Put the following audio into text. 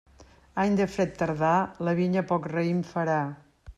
Any de fred tardà, la vinya poc raïm farà.